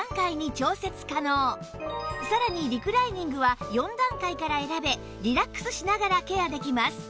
さらにリクライニングは４段階から選べリラックスしながらケアできます